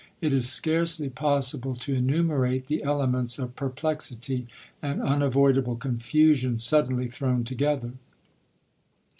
It is scarcely possible to enumerate the elements of perplexity and unavoidable confusion suddenly thrown together.